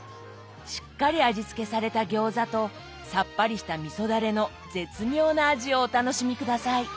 しっかり味付けされた餃子とさっぱりしたみそダレの絶妙な味をお楽しみ下さい。